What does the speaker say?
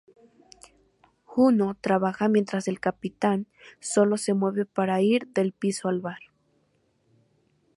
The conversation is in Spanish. Juno trabaja mientras el "capitán" solo se mueve para ir del piso al bar.